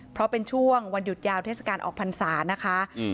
เพราะเป็นช่วงวันหยุดยาวเทศกาลออกพรรษานะคะ